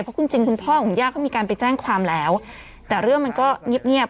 เพราะคุณจริงคุณพ่อของย่าเขามีการไปแจ้งความแล้วแต่เรื่องมันก็เงียบเงียบ